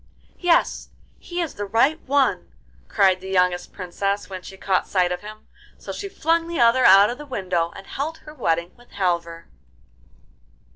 'Yes, he is the right one,' cried the youngest Princess when she caught sight of him; so she flung the other out of the window and held her wedding with Halvor.